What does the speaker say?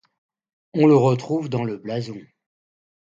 On le retrouve dans le blason.